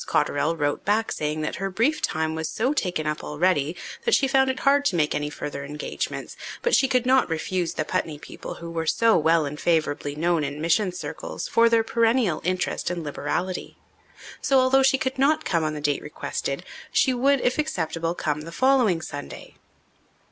Cotterell wrote back saying that her brief time was so taken up already that she found it hard to make any further engagements, but she could not refuse the Putney people who were so well and favourably known in mission circles for their perennial interest and liberality. So, although she could not come on the date requested, she would, if acceptable, come the following Sunday.